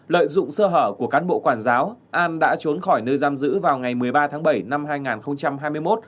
lợi dụng sơ hở của cán bộ quản giáo an đã trốn khỏi nơi giam giữ vào ngày một mươi ba tháng bảy năm hai nghìn hai mươi một